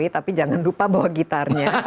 tapi jangan lupa bawa gitarnya